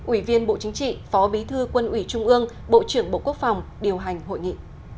ủy viên bộ chính trị phó bí thư quân ủy trung ương bộ trưởng bộ quốc phòng điều hành hội nghị